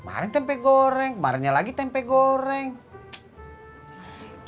kemarin tempe goreng kemarinnya lagi tempe goreng